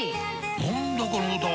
何だこの歌は！